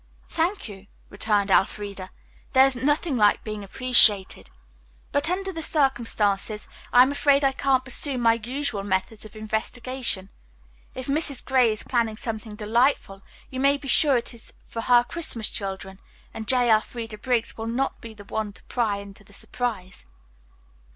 "Thank you," returned Elfreda. "There is nothing like being appreciated. But under the circumstances I am afraid I can't pursue my usual methods of investigation. If Mrs. Gray is planning something delightful, you may be sure it is for her Christmas children, and J. Elfreda Briggs will not be the one to pry into the surprise."